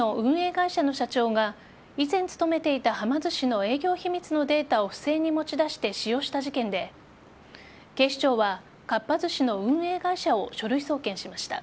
会社の社長が以前勤めていたはま寿司の営業秘密のデータを不正に持ち出して使用した事件で警視庁はかっぱ寿司の運営会社を書類送検しました。